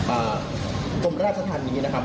อาทิบดี้กรมราชธรรณนี้นะครับ